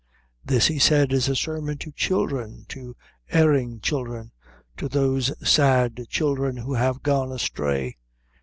This, he said, is a sermon to children; to erring children; to those sad children who have gone astray.